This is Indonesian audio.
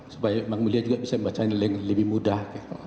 supaya yang mulia juga bisa membacanya lebih mudah